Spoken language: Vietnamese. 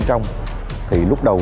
rằng bên đây